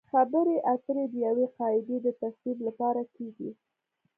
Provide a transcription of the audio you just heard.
خبرې اترې د یوې قاعدې د تصویب لپاره کیږي